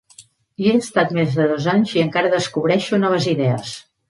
Hi he estat més de dos anys i encara descobreixo noves idees.